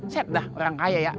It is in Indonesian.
set dah orang kaya ya